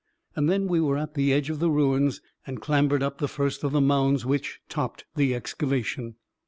And then we were at the edge of the ruins, and clambered up the first of the mounds which topped the excavation.